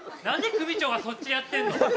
何で組長がそっちやってんの？